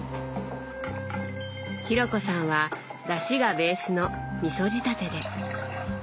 紘子さんはだしがベースのみそ仕立てで。